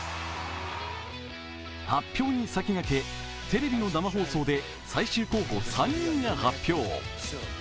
発表に先駆け、テレビの生放送で最終候補３人が発表。